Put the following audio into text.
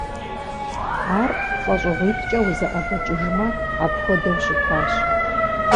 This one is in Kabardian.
Ар лӀэщӀыгъуитӀкӀэ узэӀэбэкӀыжмэ апхуэдэу щытащ.